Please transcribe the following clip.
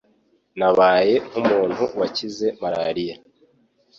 Nabaye nk’umuntu wakize marariya